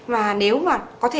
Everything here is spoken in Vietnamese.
và để nó ra nó thấm được vào dịch vị